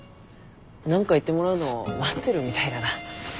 何か言ってもらうの待ってるみたいだな。